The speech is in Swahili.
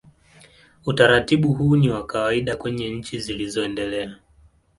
Utaratibu huu ni wa kawaida kwenye nchi zilizoendelea.